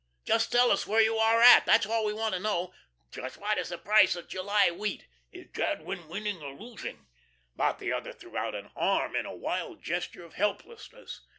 "Just tell us where you are at that's all we want to know." "Just what is the price of July wheat?" "Is Jadwin winning or losing?" But the other threw out an arm in a wild gesture of helplessness.